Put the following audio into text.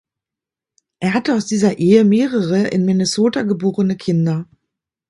Er hatte aus dieser Ehe mehrere in Minnesota geborene Kinder.